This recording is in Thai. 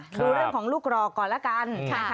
ดูเรื่องของลูกหลอกก่อนละกัน